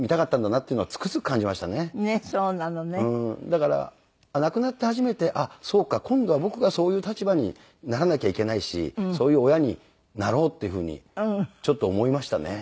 だから亡くなって初めてあっそうか今度は僕がそういう立場にならなきゃいけないしそういう親になろうっていうふうにちょっと思いましたね。